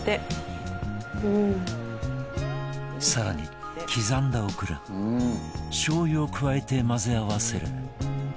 更に刻んだオクラしょう油を加えて混ぜ合わせる